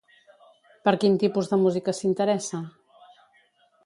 Per quin tipus de música s'interessa?